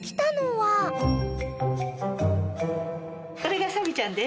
これがサビちゃんです。